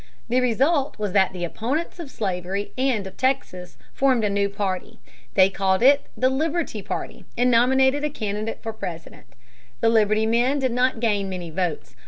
The result was that the opponents of slavery and of Texas formed a new party. They called it the Liberty party and nominated a candidate for President. The Liberty men did not gain many votes.